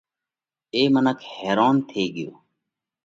اي منک حيرونَ ٿي ڳيو